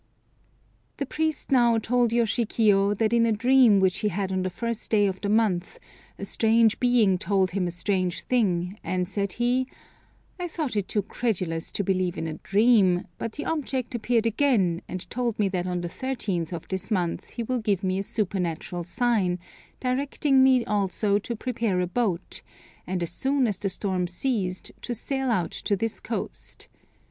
The priest now told Yoshikiyo that in a dream which he had on the first day of the month, a strange being told him a strange thing, and, said he, "I thought it too credulous to believe in a dream, but the object appeared again, and told me that on the thirteenth of this month he will give me a supernatural sign, directing me also to prepare a boat, and as soon as the storm ceased, to sail out to this coast.